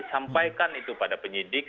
sampaikan itu pada penyidik